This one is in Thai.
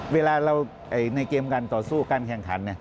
เวลาเราในเกมการต่อสู้การแข่งขัน